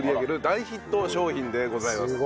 大ヒット商品でございます。